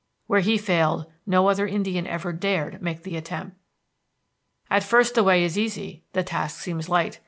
Where he failed, no other Indian ever dared make the attempt. "At first the way is easy, the task seems light.